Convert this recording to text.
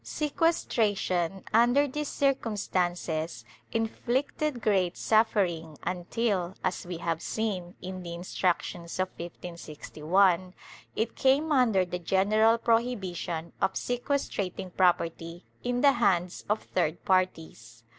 ^ Sequestration under these circumstances inflicted great suffer ing until, as we have seen, in the Instructions of 1561, it came under the general prohibition of sequestrating property in the hands of third parties.